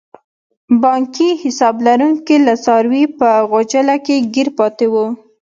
بانکي حساب لرونکي لکه څاروي په غوچله کې ګیر پاتې وو.